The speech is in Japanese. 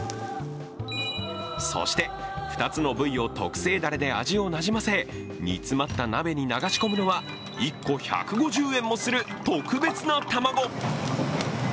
そして２つの部位を特製だれで味をなじませ、煮詰まった鍋に流し込むのは１個１５０円もする特別な卵。